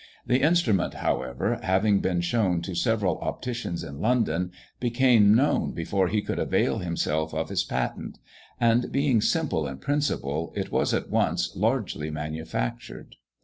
The instrument, however, having been shown to several opticians in London, became known before he could avail himself of his patent; and, being simple in principle, it was at once largely manufactured.